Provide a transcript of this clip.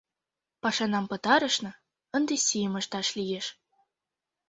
Пашанам пытарышна, ынде сийым ышташ лиеш.